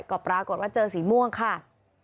ก็ปรากฏว่าเจอสีม่วงค่ะ